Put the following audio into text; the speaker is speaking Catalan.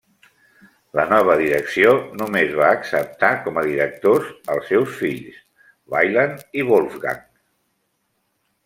La nova direcció només va acceptar com a directors als seus fills Wieland i Wolfgang.